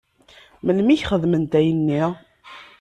Melmi i k-xedment ayenni?